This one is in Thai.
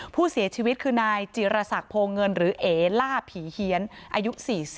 ผู้เสียชีวิตคือนายจิรษักโพเงินหรือเอ๋ล่าผีเฮียนอายุ๔๐